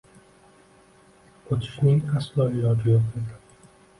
O‘tishning aslo iloji yo‘q edi